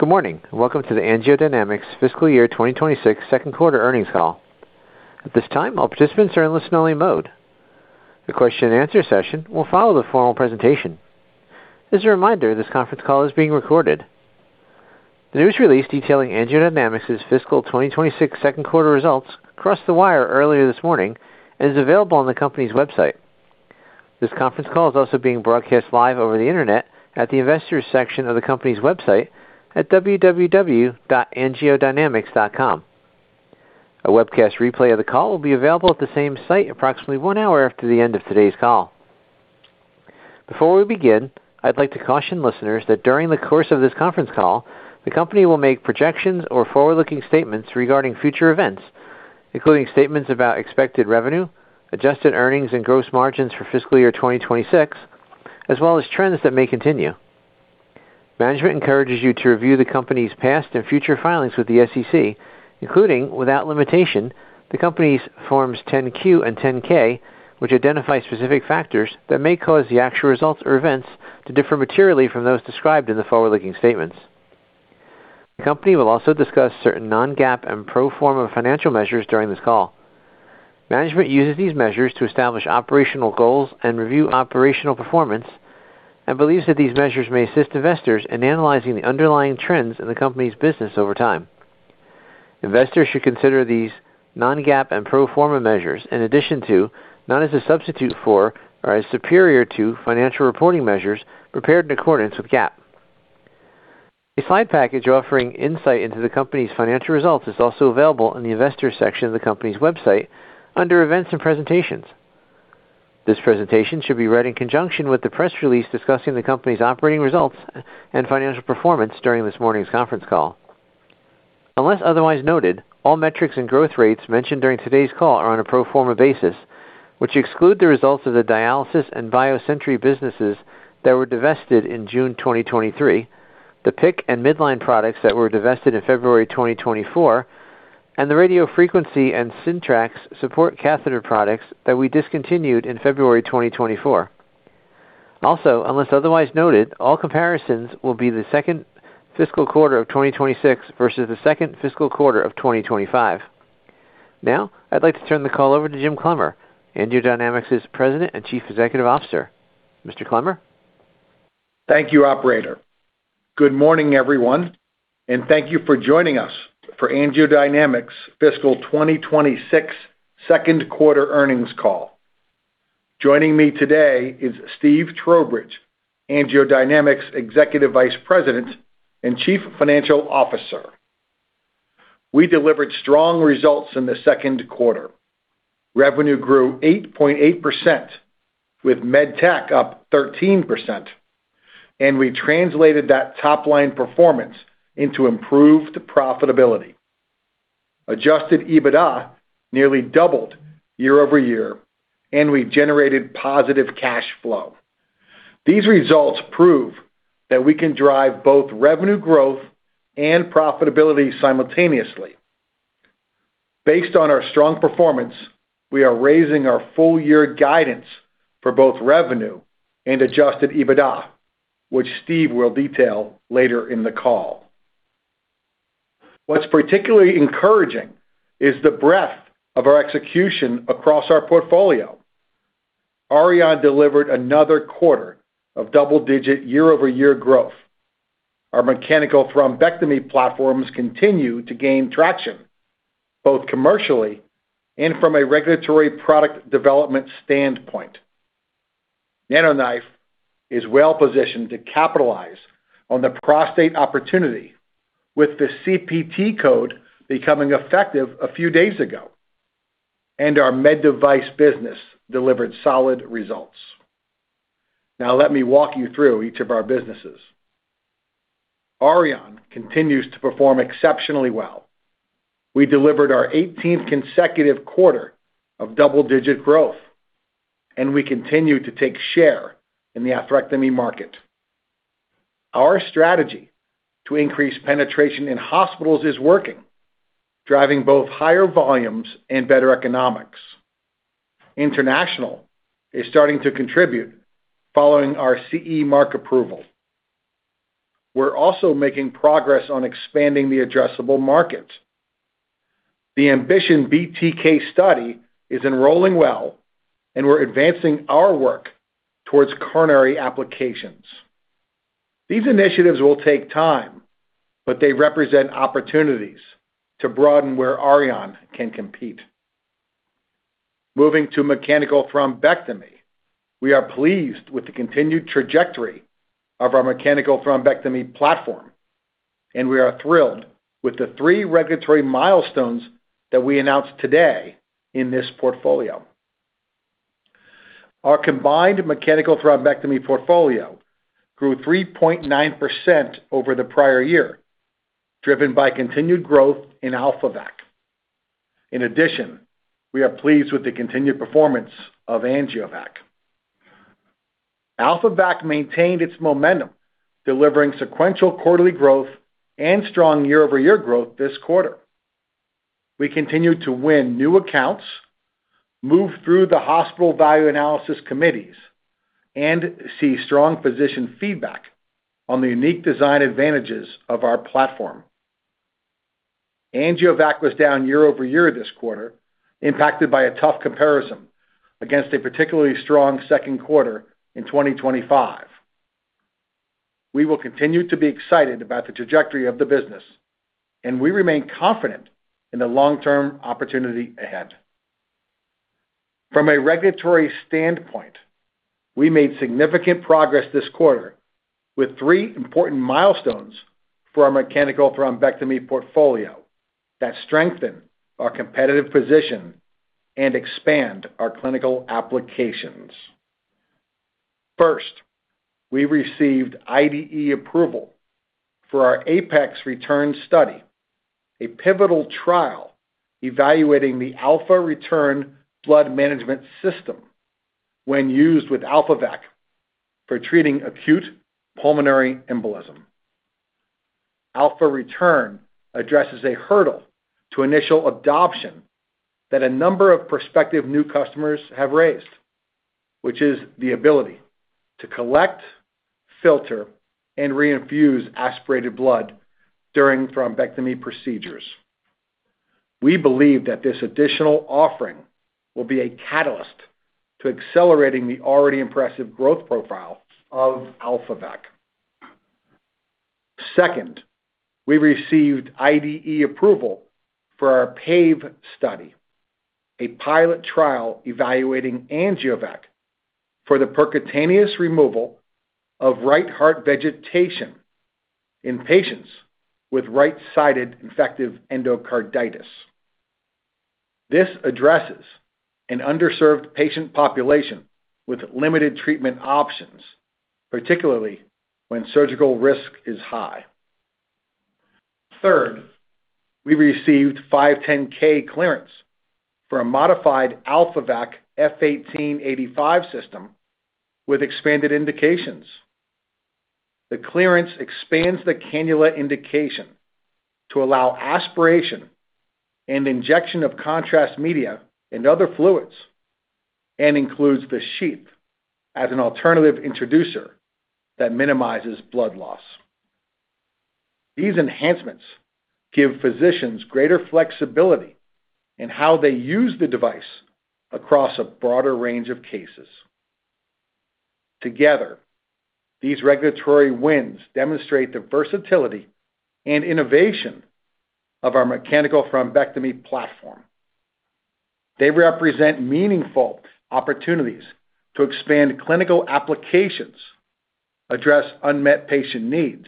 Good morning. Welcome to the AngioDynamics fiscal year 2026 second quarter earnings call. At this time, all participants are in listen-only mode. The question-and-answer session will follow the formal presentation. As a reminder, this conference call is being recorded. The news release detailing AngioDynamics' fiscal 2026 second quarter results crossed the wire earlier this morning and is available on the company's website. This conference call is also being broadcast live over the internet at the investors' section of the company's website at www.angiodynamics.com. A webcast replay of the call will be available at the same site approximately one hour after the end of today's call. Before we begin, I'd like to caution listeners that during the course of this conference call, the company will make projections or forward-looking statements regarding future events, including statements about expected revenue, adjusted earnings, and gross margins for fiscal year 2026, as well as trends that may continue. Management encourages you to review the company's past and future filings with the SEC, including, without limitation, the company's forms 10-Q and 10-K, which identify specific factors that may cause the actual results or events to differ materially from those described in the forward-looking statements. The company will also discuss certain non-GAAP and pro forma financial measures during this call. Management uses these measures to establish operational goals and review operational performance and believes that these measures may assist investors in analyzing the underlying trends in the company's business over time. Investors should consider these non-GAAP and pro forma measures in addition to, not as a substitute for or as superior to financial reporting measures prepared in accordance with GAAP. A slide package offering insight into the company's financial results is also available in the investors' section of the company's website under events and presentations. This presentation should be read in conjunction with the press release discussing the company's operating results and financial performance during this morning's conference call. Unless otherwise noted, all metrics and growth rates mentioned during today's call are on a pro forma basis, which exclude the results of the dialysis and BioSentry businesses that were divested in June 2023, the PICC and Midline products that were divested in February 2024, and the radiofrequency and Syntrax support catheter products that we discontinued in February 2024. Also, unless otherwise noted, all comparisons will be the second fiscal quarter of 2026 versus the second fiscal quarter of 2025. Now, I'd like to turn the call over to Jim Clemmer, AngioDynamics' President and Chief Executive Officer. Mr. Clemmer. Thank you, operator. Good morning, everyone, and thank you for joining us for AngioDynamics' fiscal 2026 second quarter earnings call. Joining me today is Steve Trowbridge, AngioDynamics' Executive Vice President and Chief Financial Officer. We delivered strong results in the second quarter. Revenue grew 8.8%, with Med Tech up 13%, and we translated that top-line performance into improved profitability. Adjusted EBITDA nearly doubled year-over-year, and we generated positive cash flow. These results prove that we can drive both revenue growth and profitability simultaneously. Based on our strong performance, we are raising our full-year guidance for both revenue and adjusted EBITDA, which Steve will detail later in the call. What's particularly encouraging is the breadth of our execution across our portfolio. Auryon delivered another quarter of double-digit year-over-year growth. Our mechanical thrombectomy platforms continue to gain traction, both commercially and from a regulatory product development standpoint. NanoKnife is well-positioned to capitalize on the prostate opportunity, with the CPT code becoming effective a few days ago, and our Med Device business delivered solid results. Now, let me walk you through each of our businesses. Auryon continues to perform exceptionally well. We delivered our 18th consecutive quarter of double-digit growth, and we continue to take share in the atherectomy market. Our strategy to increase penetration in hospitals is working, driving both higher volumes and better economics. International is starting to contribute following our CE mark approval. We're also making progress on expanding the addressable market. The AMBITION BTK study is enrolling well, and we're advancing our work towards coronary applications. These initiatives will take time, but they represent opportunities to broaden where Auryon can compete. Moving to mechanical thrombectomy, we are pleased with the continued trajectory of our mechanical thrombectomy platform, and we are thrilled with the three regulatory milestones that we announced today in this portfolio. Our combined mechanical thrombectomy portfolio grew 3.9% over the prior year, driven by continued growth in AlphaVac. In addition, we are pleased with the continued performance of AngioVac. AlphaVac maintained its momentum, delivering sequential quarterly growth and strong year-over-year growth this quarter. We continued to win new accounts, move through the hospital value analysis committees, and see strong physician feedback on the unique design advantages of our platform. AngioVac was down year-over-year this quarter, impacted by a tough comparison against a particularly strong second quarter in 2025. We will continue to be excited about the trajectory of the business, and we remain confident in the long-term opportunity ahead. From a regulatory standpoint, we made significant progress this quarter with three important milestones for our mechanical thrombectomy portfolio that strengthen our competitive position and expand our clinical applications. First, we received IDE approval for our APEX-Return study, a pivotal trial evaluating the AlphaReturn blood management system when used with AlphaVac for treating acute pulmonary embolism. AlphaReturn addresses a hurdle to initial adoption that a number of prospective new customers have raised, which is the ability to collect, filter, and reinfuse aspirated blood during thrombectomy procedures. We believe that this additional offering will be a catalyst to accelerating the already impressive growth profile of AlphaVac. Second, we received IDE approval for our PAVE study, a pilot trial evaluating AngioVac for the percutaneous removal of right heart vegetation in patients with right-sided infective endocarditis. This addresses an underserved patient population with limited treatment options, particularly when surgical risk is high. Third, we received 510(k) clearance for a modified AlphaVac F1885 system with expanded indications. The clearance expands the cannula indication to allow aspiration and injection of contrast media and other fluids and includes the sheath as an alternative introducer that minimizes blood loss. These enhancements give physicians greater flexibility in how they use the device across a broader range of cases. Together, these regulatory wins demonstrate the versatility and innovation of our mechanical thrombectomy platform. They represent meaningful opportunities to expand clinical applications, address unmet patient needs,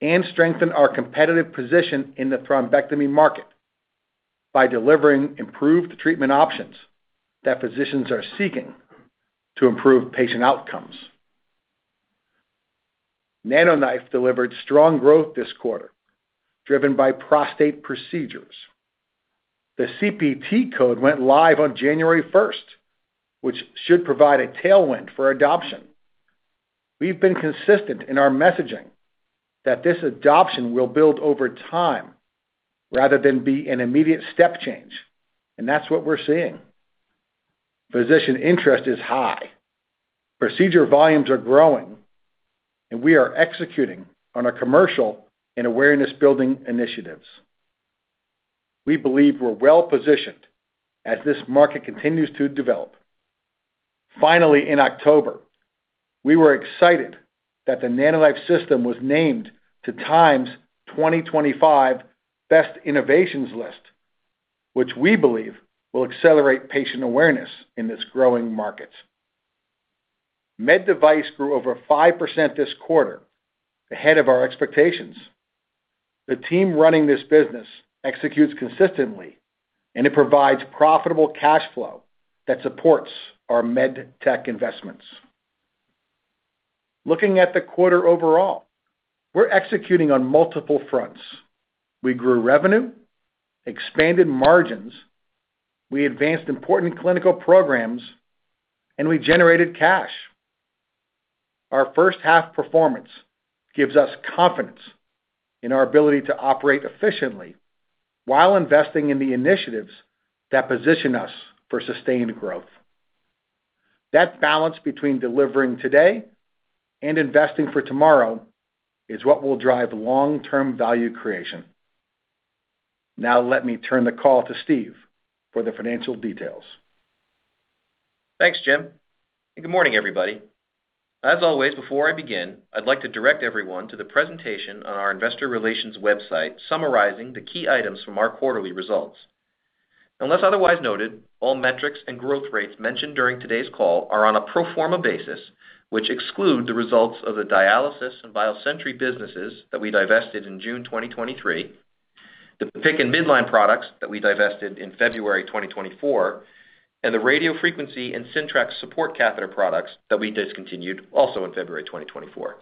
and strengthen our competitive position in the thrombectomy market by delivering improved treatment options that physicians are seeking to improve patient outcomes. NanoKnife delivered strong growth this quarter, driven by prostate procedures. The CPT code went live on January 1st, which should provide a tailwind for adoption. We've been consistent in our messaging that this adoption will build over time rather than be an immediate step change, and that's what we're seeing. Physician interest is high. Procedure volumes are growing, and we are executing on our commercial and awareness-building initiatives. We believe we're well-positioned as this market continues to develop. Finally, in October, we were excited that the NanoKnife system was named to TIME's 2025 Best Innovations List, which we believe will accelerate patient awareness in this growing market. Med Device grew over 5% this quarter, ahead of our expectations. The team running this business executes consistently, and it provides profitable cash flow that supports our Med Tech investments. Looking at the quarter overall, we're executing on multiple fronts. We grew revenue, expanded margins, we advanced important clinical programs, and we generated cash. Our first-half performance gives us confidence in our ability to operate efficiently while investing in the initiatives that position us for sustained growth. That balance between delivering today and investing for tomorrow is what will drive long-term value creation. Now, let me turn the call to Steve for the financial details. Thanks, Jim. Good morning, everybody. As always, before I begin, I'd like to direct everyone to the presentation on our investor relations website summarizing the key items from our quarterly results. Unless otherwise noted, all metrics and growth rates mentioned during today's call are on a pro forma basis, which exclude the results of the dialysis and BioSentry businesses that we divested in June 2023, the PICC and Midline products that we divested in February 2024, and the radiofrequency and Syntrax support catheter products that we discontinued also in February 2024.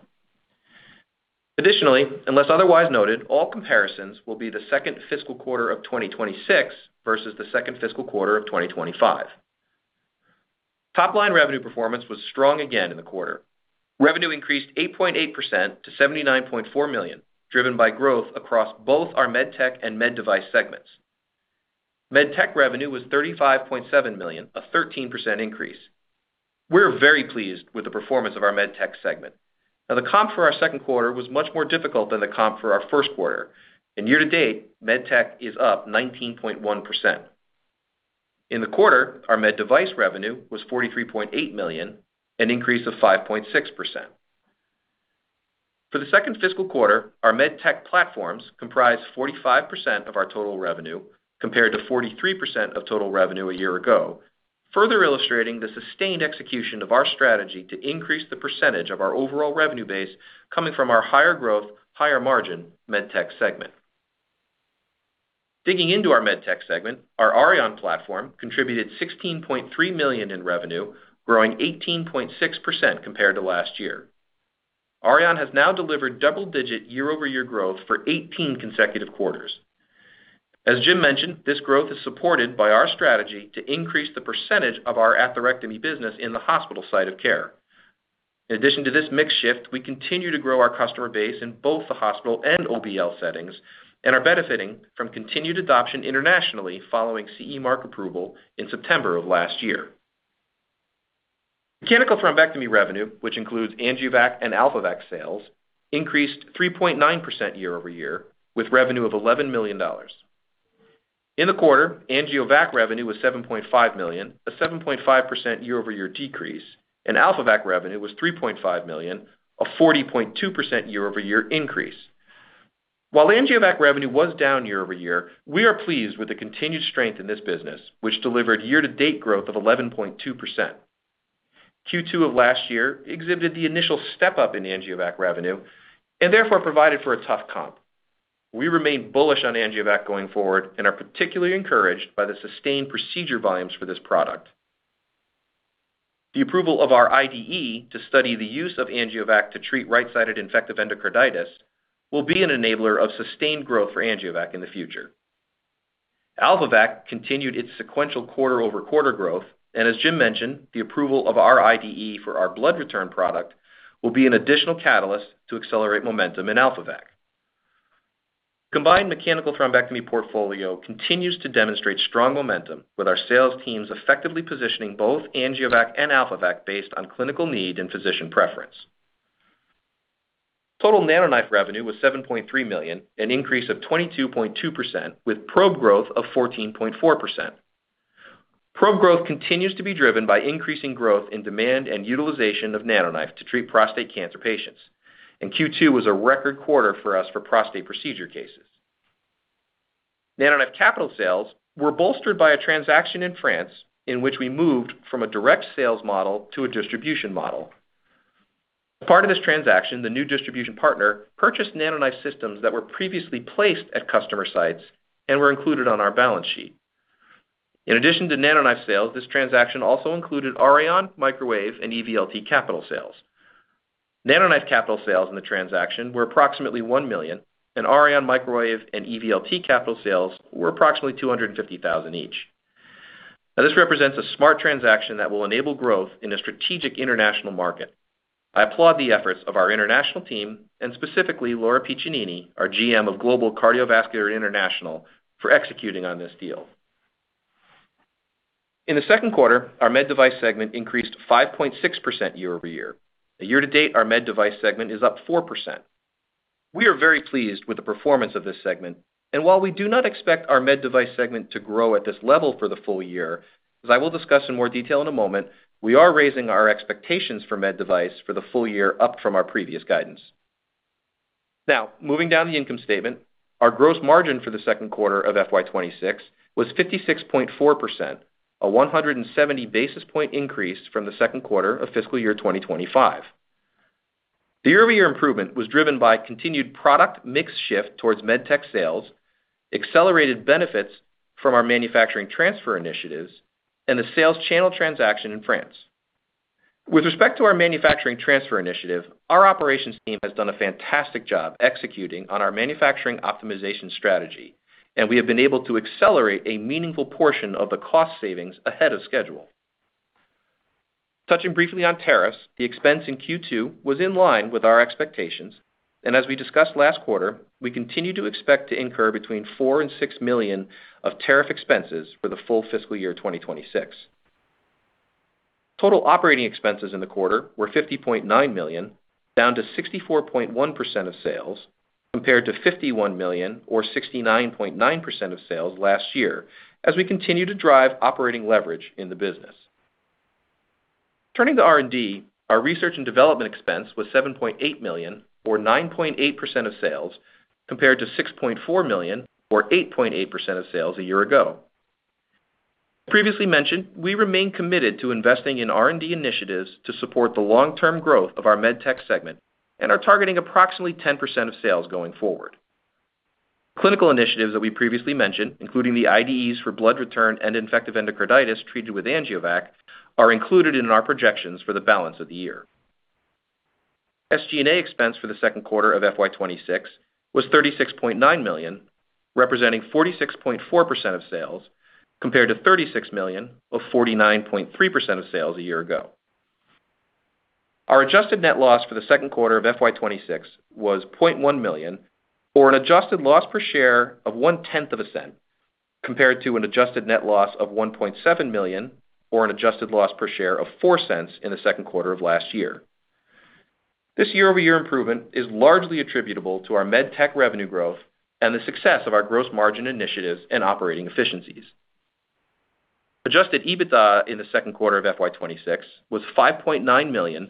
Additionally, unless otherwise noted, all comparisons will be the second fiscal quarter of 2026 versus the second fiscal quarter of 2025. Top-line revenue performance was strong again in the quarter. Revenue increased 8.8% to $79.4 million, driven by growth across both our Med Tech and Med Device segments. Med Tech revenue was $35.7 million, a 13% increase. We're very pleased with the performance of our Med Tech segment. Now, the comp for our second quarter was much more difficult than the comp for our first quarter. Year to date, Med Tech is up 19.1%. In the quarter, our Med Device revenue was $43.8 million, an increase of 5.6%. For the second fiscal quarter, our Med Tech platforms comprised 45% of our total revenue compared to 43% of total revenue a year ago, further illustrating the sustained execution of our strategy to increase the percentage of our overall revenue base coming from our higher growth, higher margin Med Tech segment. Digging into our Med Tech segment, our Auryon platform contributed $16.3 million in revenue, growing 18.6% compared to last year. Auryon has now delivered double-digit year-over-year growth for 18 consecutive quarters. As Jim mentioned, this growth is supported by our strategy to increase the percentage of our atherectomy business in the hospital site of care. In addition to this mixed shift, we continue to grow our customer base in both the hospital and OBL settings and are benefiting from continued adoption internationally following CE mark approval in September of last year. Mechanical thrombectomy revenue, which includes AngioVac and AlphaVac sales, increased 3.9% year-over-year with revenue of $11 million. In the quarter, AngioVac revenue was $7.5 million, a 7.5% year-over-year decrease, and AlphaVac revenue was $3.5 million, a 40.2% year-over-year increase. While AngioVac revenue was down year-over-year, we are pleased with the continued strength in this business, which delivered year-to-date growth of 11.2%. Q2 of last year exhibited the initial step-up in AngioVac revenue and therefore provided for a tough comp. We remain bullish on AngioVac going forward and are particularly encouraged by the sustained procedure volumes for this product. The approval of our IDE to study the use of AngioVac to treat right-sided infective endocarditis will be an enabler of sustained growth for AngioVac in the future. AlphaVac continued its sequential quarter-over-quarter growth, and as Jim mentioned, the approval of our IDE for our blood return product will be an additional catalyst to accelerate momentum in AlphaVac. The combined mechanical thrombectomy portfolio continues to demonstrate strong momentum, with our sales teams effectively positioning both AngioVac and AlphaVac based on clinical need and physician preference. Total NanoKnife revenue was $7.3 million, an increase of 22.2%, with probe growth of 14.4%. Probe growth continues to be driven by increasing growth in demand and utilization of NanoKnife to treat prostate cancer patients, and Q2 was a record quarter for us for prostate procedure cases. NanoKnife capital sales were bolstered by a transaction in France in which we moved from a direct sales model to a distribution model. As part of this transaction, the new distribution partner purchased NanoKnife systems that were previously placed at customer sites and were included on our balance sheet. In addition to NanoKnife sales, this transaction also included Auryon, Microwave and EVLT capital sales. NanoKnife capital sales in the transaction were approximately $1 million, and Auryon, Microwave and EVLT capital sales were approximately $250,000 each. Now, this represents a smart transaction that will enable growth in a strategic international market. I applaud the efforts of our international team and specifically Laura Piccinini, our GM of Global Cardiovascular International, for executing on this deal. In the second quarter, our Med Device segment increased 5.6% year-over-year. Year to date, our Med Device segment is up 4%. We are very pleased with the performance of this segment, and while we do not expect our Med Device segment to grow at this level for the full year, as I will discuss in more detail in a moment, we are raising our expectations for Med Device for the full year up from our previous guidance. Now, moving down the income statement, our gross margin for the second quarter of FY26 was 56.4%, a 170 basis point increase from the second quarter of fiscal year 2025. The year-over-year improvement was driven by continued product mix shift towards med tech sales, accelerated benefits from our manufacturing transfer initiatives, and the sales channel transaction in France. With respect to our manufacturing transfer initiative, our operations team has done a fantastic job executing on our manufacturing optimization strategy, and we have been able to accelerate a meaningful portion of the cost savings ahead of schedule. Touching briefly on tariffs, the expense in Q2 was in line with our expectations, and as we discussed last quarter, we continue to expect to incur between $4 million and $6 million of tariff expenses for the full fiscal year 2026. Total operating expenses in the quarter were $50.9 million, down to 64.1% of sales, compared to $51 million or 69.9% of sales last year, as we continue to drive operating leverage in the business. Turning to R&D, our research and development expense was $7.8 million or 9.8% of sales, compared to $6.4 million or 8.8% of sales a year ago. As previously mentioned, we remain committed to investing in R&D initiatives to support the long-term growth of our med tech segment and are targeting approximately 10% of sales going forward. Clinical initiatives that we previously mentioned, including the IDEs for blood return and infective endocarditis treated with AngioVac, are included in our projections for the balance of the year. SG&A expense for the second quarter of FY26 was $36.9 million, representing 46.4% of sales, compared to $36 million or 49.3% of sales a year ago. Our adjusted net loss for the second quarter of FY26 was $0.1 million, or an adjusted loss per share of $0.001, compared to an adjusted net loss of $1.7 million, or an adjusted loss per share of $0.04 in the second quarter of last year. This year-over-year improvement is largely attributable to our Med Tech revenue growth and the success of our gross margin initiatives and operating efficiencies. Adjusted EBITDA in the second quarter of FY26 was $5.9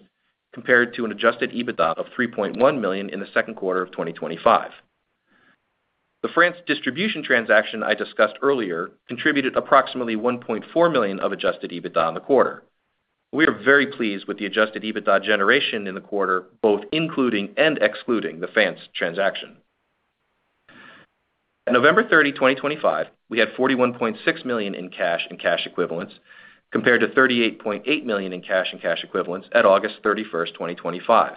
million, compared to an adjusted EBITDA of $3.1 million in the second quarter of 2025. The France distribution transaction I discussed earlier contributed approximately $1.4 million of adjusted EBITDA in the quarter. We are very pleased with the adjusted EBITDA generation in the quarter, both including and excluding the France transaction. At November 30, 2025, we had $41.6 million in cash and cash equivalents, compared to $38.8 million in cash and cash equivalents at August 31, 2025.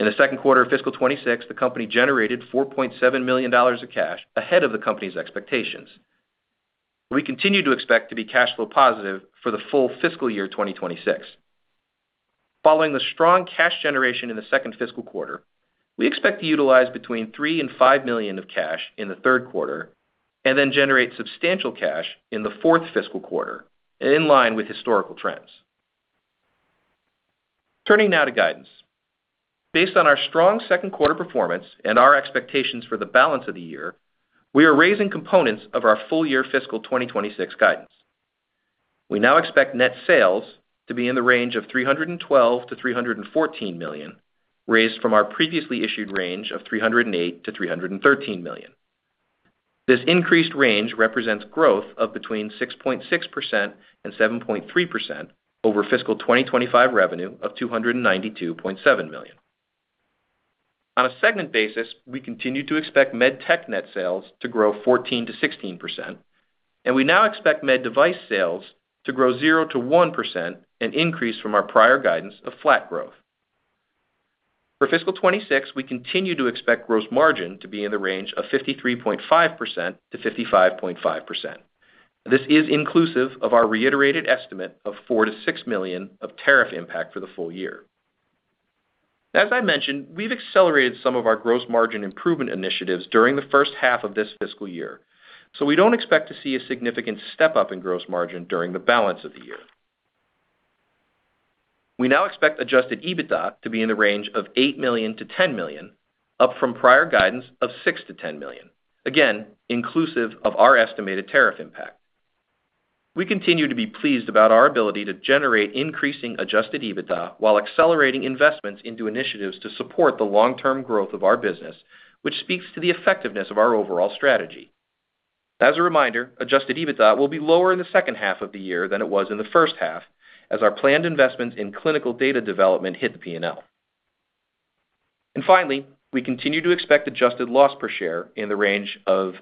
In the second quarter of fiscal 2026, the company generated $4.7 million of cash ahead of the company's expectations. We continue to expect to be cash flow positive for the full fiscal year 2026. Following the strong cash generation in the second fiscal quarter, we expect to utilize between $3 million and $5 million of cash in the third quarter and then generate substantial cash in the fourth fiscal quarter, in line with historical trends. Turning now to guidance. Based on our strong second quarter performance and our expectations for the balance of the year, we are raising components of our full year fiscal 2026 guidance. We now expect net sales to be in the range of $312-$314 million, raised from our previously issued range of $308-$313 million. This increased range represents growth of between 6.6% and 7.3% over fiscal 2025 revenue of $292.7 million. On a segment basis, we continue to expect med tech net sales to grow 14%-16%, and we now expect med device sales to grow 0%-1% and increase from our prior guidance of flat growth. For fiscal 2026, we continue to expect gross margin to be in the range of 53.5%-55.5%. This is inclusive of our reiterated estimate of $4-$6 million of tariff impact for the full year. As I mentioned, we've accelerated some of our gross margin improvement initiatives during the first half of this fiscal year, so we don't expect to see a significant step-up in gross margin during the balance of the year. We now expect Adjusted EBITDA to be in the range of $8 million-$10 million, up from prior guidance of $6 million-$10 million, again inclusive of our estimated tariff impact. We continue to be pleased about our ability to generate increasing Adjusted EBITDA while accelerating investments into initiatives to support the long-term growth of our business, which speaks to the effectiveness of our overall strategy. As a reminder, Adjusted EBITDA will be lower in the second half of the year than it was in the first half, as our planned investments in clinical data development hit the P&L. And finally, we continue to expect adjusted loss per share in the range of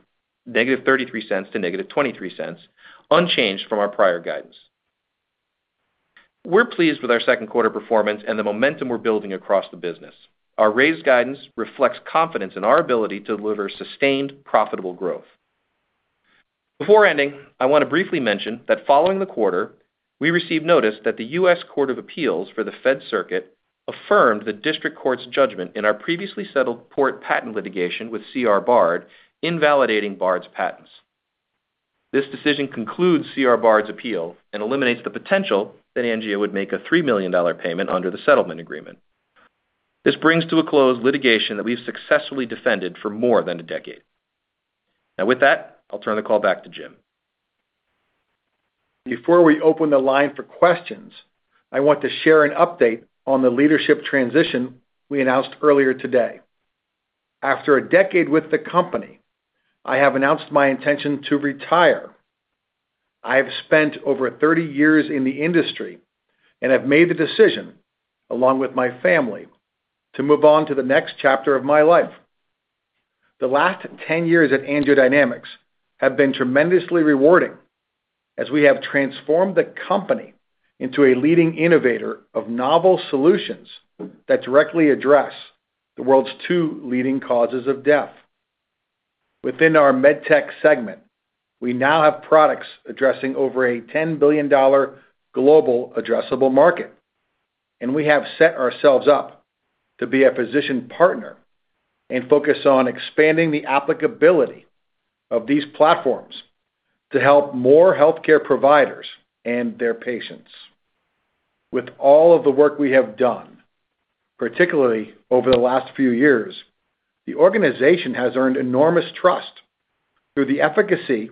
-$0.33 to -$0.23, unchanged from our prior guidance. We're pleased with our second quarter performance and the momentum we're building across the business. Our raised guidance reflects confidence in our ability to deliver sustained profitable growth. Before ending, I want to briefly mention that following the quarter, we received notice that the U.S. Court of Appeals for the Federal Circuit affirmed the district court's judgment in our previously settled port patent litigation with C.R. Bard invalidating Bard's patents. This decision concludes C.R. Bard's appeal and eliminates the potential that Angio would make a $3 million payment under the settlement agreement. This brings to a close litigation that we've successfully defended for more than a decade. Now, with that, I'll turn the call back to Jim. Before we open the line for questions, I want to share an update on the leadership transition we announced earlier today. After a decade with the company, I have announced my intention to retire. I have spent over 30 years in the industry and have made the decision, along with my family, to move on to the next chapter of my life. The last 10 years at AngioDynamics have been tremendously rewarding as we have transformed the company into a leading innovator of novel solutions that directly address the world's two leading causes of death. Within our Med Tech segment, we now have products addressing over a $10 billion global addressable market, and we have set ourselves up to be a physician partner and focus on expanding the applicability of these platforms to help more healthcare providers and their patients. With all of the work we have done, particularly over the last few years, the organization has earned enormous trust through the efficacy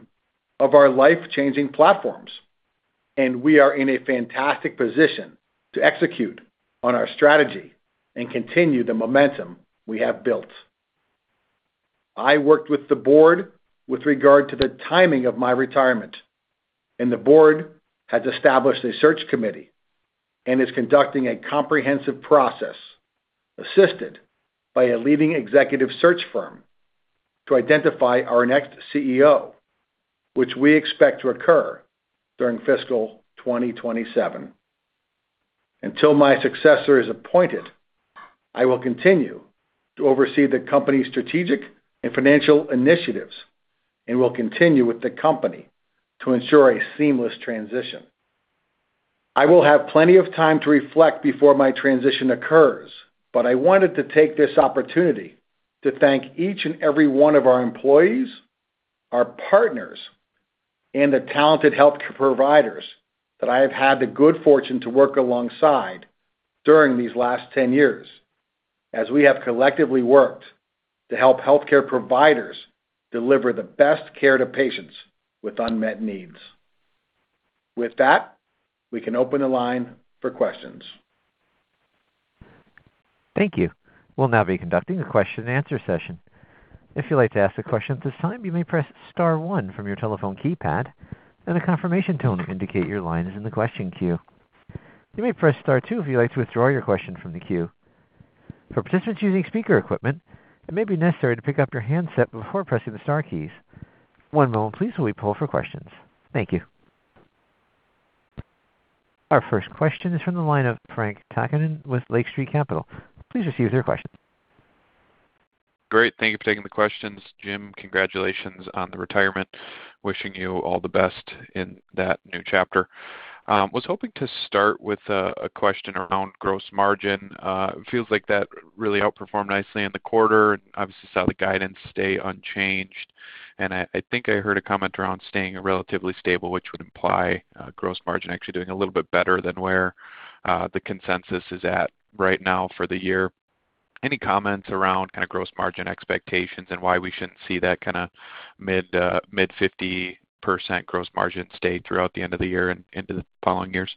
of our life-changing platforms, and we are in a fantastic position to execute on our strategy and continue the momentum we have built. I worked with the board with regard to the timing of my retirement, and the board has established a search committee and is conducting a comprehensive process assisted by a leading executive search firm to identify our next CEO, which we expect to occur during fiscal 2027. Until my successor is appointed, I will continue to oversee the company's strategic and financial initiatives and will continue with the company to ensure a seamless transition. I will have plenty of time to reflect before my transition occurs, but I wanted to take this opportunity to thank each and every one of our employees, our partners, and the talented healthcare providers that I have had the good fortune to work alongside during these last 10 years, as we have collectively worked to help healthcare providers deliver the best care to patients with unmet needs. With that, we can open the line for questions. Thank you. We'll now be conducting a question-and-answer session. If you'd like to ask a question at this time, you may press star one from your telephone keypad, and a confirmation tone will indicate your line is in the question queue. You may press star two if you'd like to withdraw your question from the queue. For participants using speaker equipment, it may be necessary to pick up your handset before pressing the star keys. One moment, please, while we pull for questions. Thank you. Our first question is from the line of Frank Takkinen with Lake Street Capital. Please proceed with your question. Great. Thank you for taking the questions, Jim. Congratulations on the retirement. Wishing you all the best in that new chapter. I was hoping to start with a question around gross margin. It feels like that really outperformed nicely in the quarter. Obviously, saw the guidance stay unchanged, and I think I heard a comment around staying relatively stable, which would imply gross margin actually doing a little bit better than where the consensus is at right now for the year. Any comments around kind of gross margin expectations and why we shouldn't see that kind of mid-50% gross margin stay throughout the end of the year and into the following years?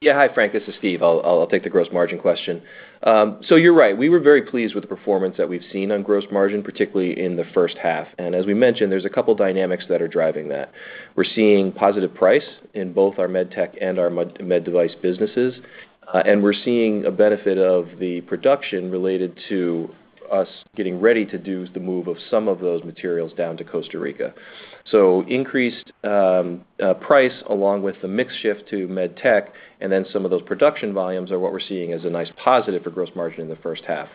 Yeah. Hi, Frank. This is Steve. I'll take the gross margin question. So you're right. We were very pleased with the performance that we've seen on gross margin, particularly in the first half. And as we mentioned, there's a couple of dynamics that are driving that. We're seeing positive price in both our med tech and our med device businesses, and we're seeing a benefit of the production related to us getting ready to do the move of some of those materials down to Costa Rica. So increased price along with the mix shift to med tech, and then some of those production volumes are what we're seeing as a nice positive for gross margin in the first half.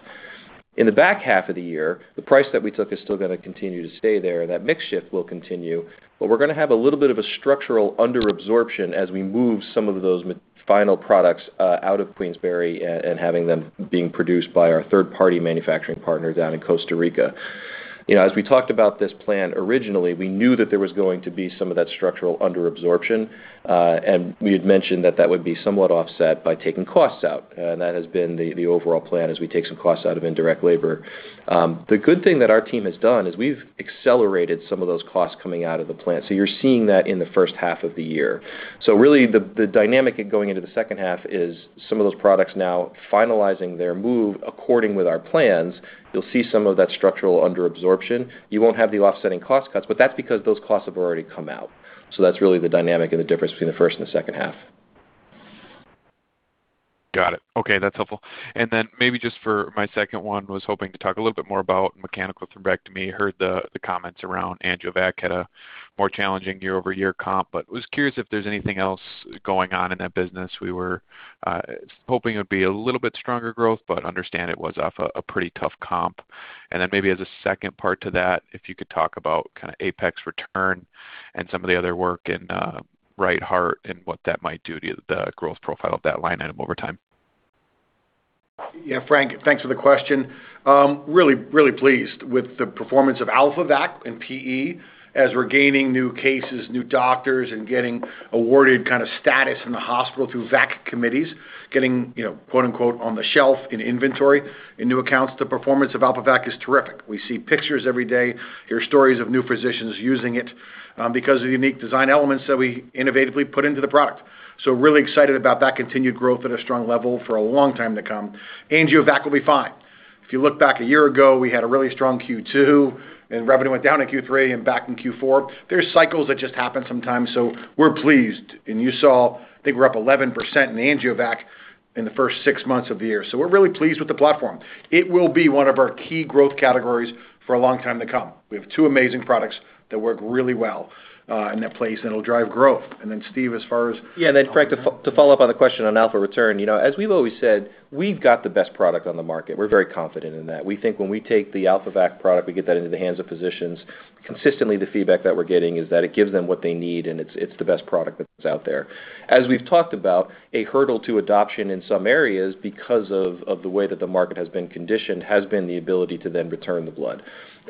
In the back half of the year, the price that we took is still going to continue to stay there, and that mix shift will continue, but we're going to have a little bit of a structural underabsorption as we move some of those final products out of Queensbury and having them being produced by our third-party manufacturing partner down in Costa Rica. As we talked about this plan originally, we knew that there was going to be some of that structural underabsorption, and we had mentioned that that would be somewhat offset by taking costs out, and that has been the overall plan as we take some costs out of indirect labor. The good thing that our team has done is we've accelerated some of those costs coming out of the plant, so you're seeing that in the first half of the year. So really, the dynamic going into the second half is some of those products now finalizing their move in accordance with our plans. You'll see some of that structural underabsorption. You won't have the offsetting cost cuts, but that's because those costs have already come out. So that's really the dynamic and the difference between the first and the second half. Got it. Okay. That's helpful. And then maybe just for my second one, was hoping to talk a little bit more about mechanical thrombectomy. Heard the comments around AngioVac had a more challenging year-over-year comp, but was curious if there's anything else going on in that business. We were hoping it would be a little bit stronger growth, but understand it was off a pretty tough comp. And then maybe as a second part to that, if you could talk about kind of APEX-Return and some of the other work in right heart and what that might do to the growth profile of that line item over time. Yeah, Frank, thanks for the question. Really, really pleased with the performance of AlphaVac and PE as we're gaining new cases, new doctors, and getting awarded kind of status in the hospital through VAC committees, getting "on the shelf" in inventory in new accounts. The performance of AlphaVac is terrific. We see pictures every day, hear stories of new physicians using it because of the unique design elements that we innovatively put into the product. So really excited about that continued growth at a strong level for a long time to come. AngioVac will be fine. If you look back a year ago, we had a really strong Q2, and revenue went down in Q3 and back in Q4. There's cycles that just happen sometimes, so we're pleased. And you saw, I think we're up 11% in AngioVac in the first six months of the year. So we're really pleased with the platform. It will be one of our key growth categories for a long time to come. We have two amazing products that work really well in that place and will drive growth. And then Steve, as far as. Yeah. And then, Frank, to follow up on the question on AlphaReturn, as we've always said, we've got the best product on the market. We're very confident in that. We think when we take the AlphaVac product, we get that into the hands of physicians. Consistently, the feedback that we're getting is that it gives them what they need, and it's the best product that's out there. As we've talked about, a hurdle to adoption in some areas because of the way that the market has been conditioned has been the ability to then return the blood.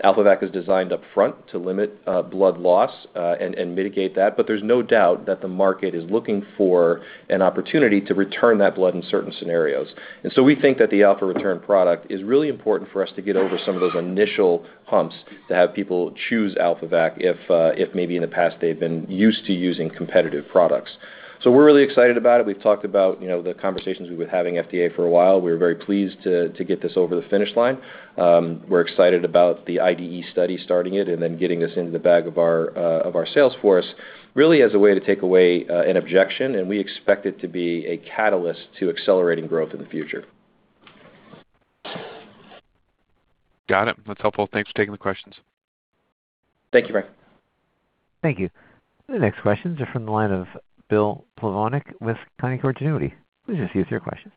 AlphaVac is designed upfront to limit blood loss and mitigate that, but there's no doubt that the market is looking for an opportunity to return that blood in certain scenarios. And so we think that the AlphaReturn product is really important for us to get over some of those initial humps to have people choose AlphaVac if maybe in the past they've been used to using competitive products. So we're really excited about it. We've talked about the conversations we've been having with FDA for a while. We're very pleased to get this over the finish line. We're excited about the IDE study starting it and then getting this into the bag of our salesforce, really as a way to take away an objection, and we expect it to be a catalyst to accelerating growth in the future. Got it. That's helpful. Thanks for taking the questions. Thank you, Frank. Thank you. The next questions are from the line of Bill Plovanic with Canaccord Genuity. Please proceed with your question.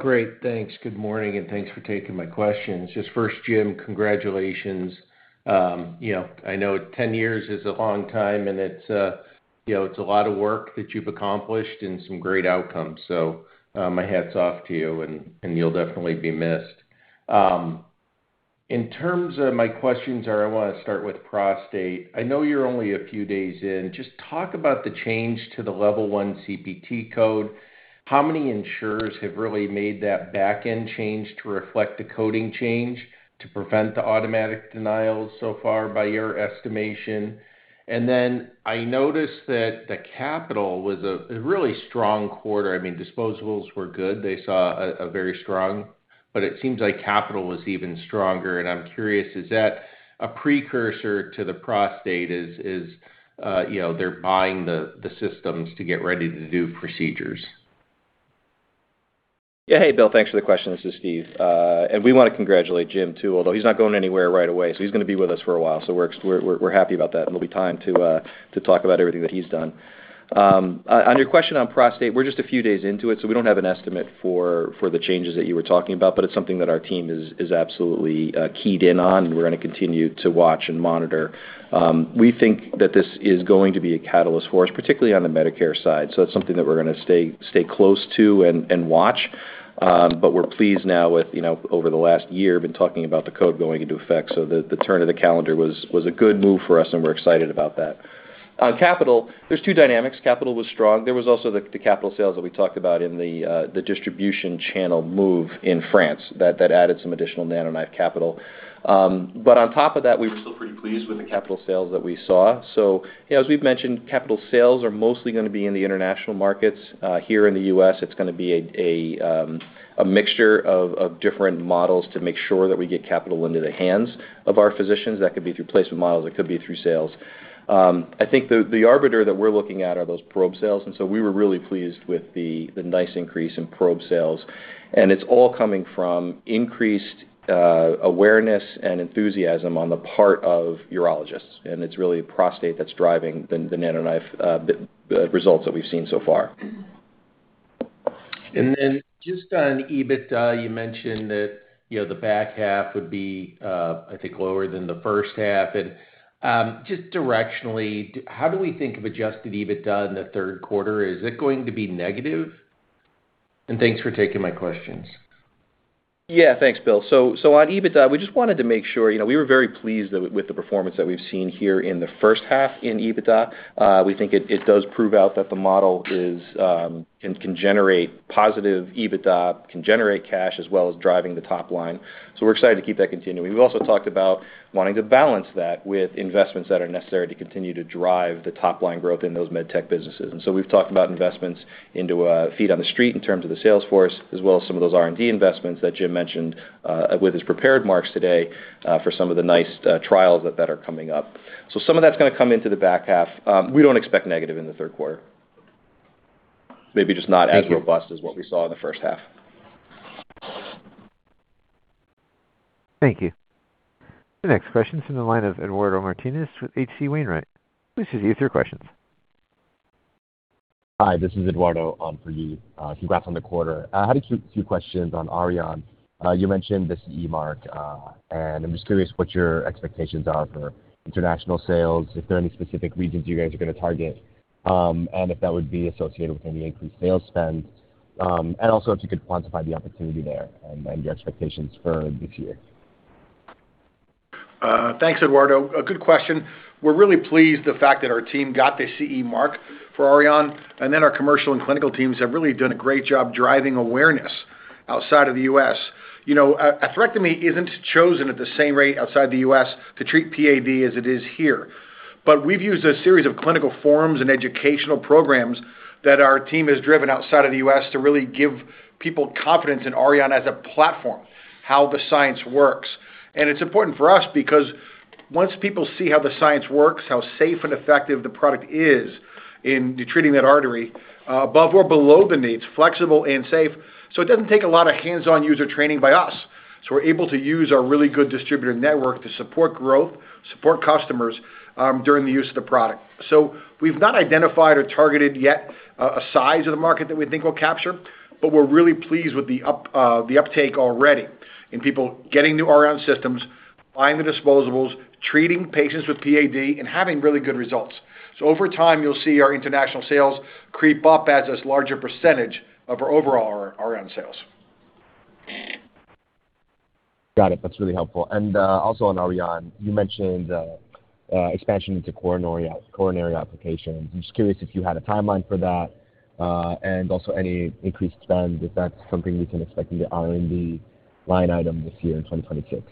Great. Thanks. Good morning, and thanks for taking my questions. Just first, Jim, congratulations. I know 10 years is a long time, and it's a lot of work that you've accomplished and some great outcomes. So my hat's off to you, and you'll definitely be missed. In terms of my questions, I want to start with prostate. I know you're only a few days in. Just talk about the change to the Level I CPT code. How many insurers have really made that backend change to reflect the coding change to prevent the automatic denials so far by your estimation? And then I noticed that the capital was a really strong quarter. I mean, disposables were good. They saw a very strong, but it seems like capital was even stronger. And I'm curious, is that a precursor to the prostate as they're buying the systems to get ready to do procedures? Yeah. Hey, Bill. Thanks for the question. This is Steve. And we want to congratulate Jim too, although he's not going anywhere right away, so he's going to be with us for a while. So we're happy about that, and there'll be time to talk about everything that he's done. On your question on prostate, we're just a few days into it, so we don't have an estimate for the changes that you were talking about, but it's something that our team is absolutely keyed in on, and we're going to continue to watch and monitor. We think that this is going to be a catalyst for us, particularly on the Medicare side, so that's something that we're going to stay close to and watch. But we're pleased now with, over the last year, we've been talking about the code going into effect. So the turn of the calendar was a good move for us, and we're excited about that. On capital, there's two dynamics. Capital was strong. There was also the capital sales that we talked about in the distribution channel move in France that added some additional NanoKnife capital. But on top of that, we're still pretty pleased with the capital sales that we saw. So as we've mentioned, capital sales are mostly going to be in the international markets. Here in the U.S., it's going to be a mixture of different models to make sure that we get capital into the hands of our physicians. That could be through placement models. It could be through sales. I think the arbiter that we're looking at are those probe sales. And so we were really pleased with the nice increase in probe sales. And it's all coming from increased awareness and enthusiasm on the part of urologists. And it's really prostate that's driving the NanoKnife results that we've seen so far. And then just on EBITDA, you mentioned that the back half would be, I think, lower than the first half. Just directionally, how do we think of Adjusted EBITDA in the third quarter? Is it going to be negative? And thanks for taking my questions. Yeah. Thanks, Bill. So on EBITDA, we just wanted to make sure we were very pleased with the performance that we've seen here in the first half in EBITDA. We think it does prove out that the model can generate positive EBITDA, can generate cash, as well as driving the top line. So we're excited to keep that continuing. We've also talked about wanting to balance that with investments that are necessary to continue to drive the top line growth in those Med Tech businesses. And so we've talked about investments into feet on the street in terms of the salesforce, as well as some of those R&D investments that Jim mentioned with his prepared remarks today for some of the nice trials that are coming up. So some of that's going to come into the back half. We don't expect negative in the third quarter. Maybe just not as robust as what we saw in the first half. Thank you. The next question is from the line of Eduardo Martinez with H.C. Wainwright. Please proceed with your questions. Hi. This is Eduardo for you. Congrats on the quarter. I had a few questions on Auryon. You mentioned this CE mark, and I'm just curious what your expectations are for international sales, if there are any specific regions you guys are going to target, and if that would be associated with any increased sales spend, and also if you could quantify the opportunity there and your expectations for this year. Thanks, Eduardo. A good question. We're really pleased with the fact that our team got the CE mark for Auryon, and then our commercial and clinical teams have really done a great job driving awareness outside of the U.S. Atherectomy isn't chosen at the same rate outside the U.S. to treat PAD as it is here. But we've used a series of clinical forums and educational programs that our team has driven outside of the U.S. to really give people confidence in Auryon as a platform, how the science works. It's important for us because once people see how the science works, how safe and effective the product is in treating that artery, above or below the knee, flexible and safe, so it doesn't take a lot of hands-on user training by us. So we're able to use our really good distributor network to support growth, support customers during the use of the product. So we've not identified or targeted yet a size of the market that we think will capture, but we're really pleased with the uptake already in people getting new Auryon systems, buying the disposables, treating patients with PAD, and having really good results. So over time, you'll see our international sales creep up as a larger percentage of our overall Auryon sales. Got it. That's really helpful. And also on Auryon, you mentioned expansion into coronary applications. I'm just curious if you had a timeline for that and also any increased spend, if that's something we can expect in the R&D line item this year in 2026?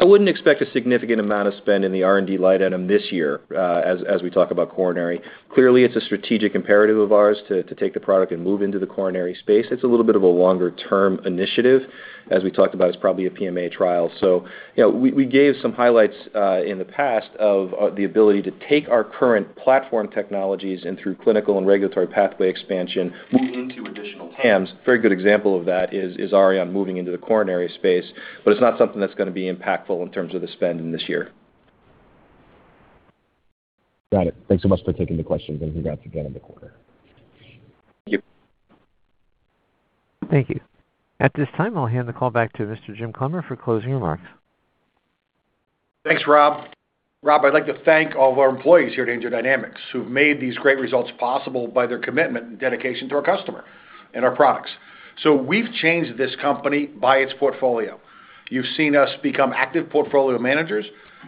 I wouldn't expect a significant amount of spend in the R&D line item this year as we talk about coronary. Clearly, it's a strategic imperative of ours to take the product and move into the coronary space. It's a little bit of a longer-term initiative. As we talked about, it's probably a PMA trial. So we gave some highlights in the past of the ability to take our current platform technologies and through clinical and regulatory pathway expansion, move into additional TAMs. A very good example of that is Auryon moving into the coronary space, but it's not something that's going to be impactful in terms of the spend in this year. Got it. Thanks so much for taking the questions, and congrats again on the quarter. Thank you. Thank you. At this time, I'll hand the call back to Mr. Jim Clemmer for closing remarks. Thanks, Rob. Rob, I'd like to thank all of our employees here at AngioDynamics who've made these great results possible by their commitment and dedication to our customer and our products. So we've changed this company by its portfolio. You've seen us become active portfolio managers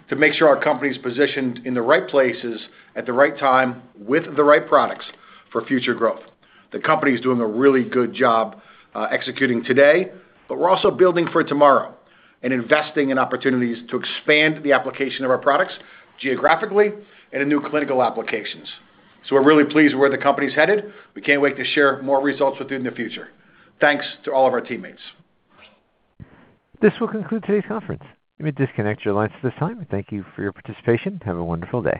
to make sure our company's positioned in the right places at the right time with the right products for future growth. The company is doing a really good job executing today, but we're also building for tomorrow and investing in opportunities to expand the application of our products geographically and in new clinical applications. So we're really pleased with where the company's headed. We can't wait to share more results with you in the future. Thanks to all of our teammates. This will conclude today's conference. You may disconnect your lines at this time. Thank you for your participation. Have a wonderful day.